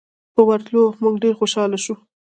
په ورتلو مو ډېر خوشاله شو.